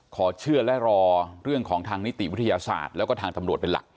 ขอเชื่อและรอเรื่องของทางนิติวิทยาศาสตร์แล้วก็ทางตำรวจเป็นหลัก